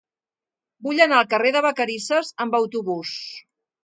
Vull anar al carrer de Vacarisses amb autobús.